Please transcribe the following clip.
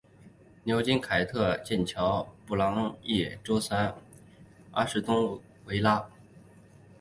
牛津联凯特灵剑桥联曼联西布朗锡周三阿士东维拉